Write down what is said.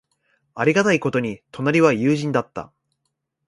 ありがたいことに、隣は友人だった。